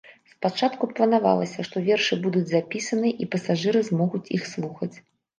Спачатку планавалася, што вершы будуць запісаныя і пасажыры змогуць іх слухаць.